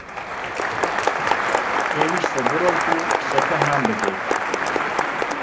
پێویستە بڕۆیت و کچەکە هان بدەیت.